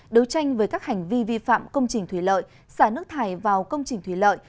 đấu tranh với các hành vi vi phạm công trình thủy lợi xả nước thải vào công trình thủy lợi